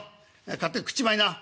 勝手に食っちまいな」。